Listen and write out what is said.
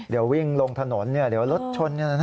เดี๋ยววิ่งลงถนนเดี๋ยวรถชน